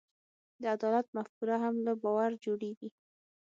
د عدالت مفکوره هم له باور جوړېږي.